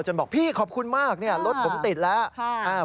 จนบอกพี่ขอบคุณมากรถผมติดแล้ว